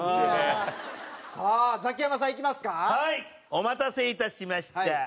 お待たせいたしました。